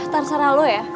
terserah lo ya